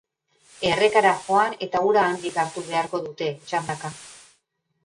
Errekara joan, eta ura handik hartu beharko dute, txandaka.